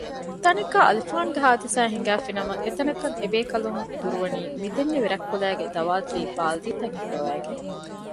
ތަނެއްގައި އަލިފާނުގެ ހާދިސާއެއް ހިނގައިފިނަމަ އެތަނަކަށް އެބޭކަލުން ދުރުވަނީ މިދެންނެވި ރަތް ކުލައިގެ ދަވާދުލީ ބާލިދީތައް ހިއްޕަވައިގެން